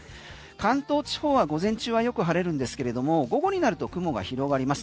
関東地方は午前中はよく晴れるんですけれども午後になると雲が広がります。